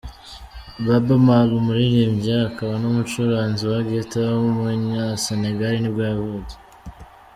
Baaba Maal, umuririmbyi akaba n’umucuranzi wa guitar w’umunyasenegal nibwo yavutse.